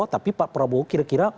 tapi pak prabowo kira kira